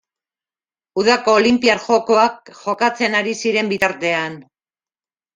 Udako Olinpiar Jokoak jokatzen ari ziren bitartean.